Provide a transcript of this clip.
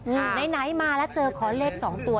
ไหนไหนมาแล้วเจอขอเลขสองตัว